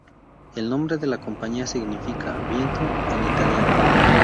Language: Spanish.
El nombre de la compañía significa "viento" en italiano.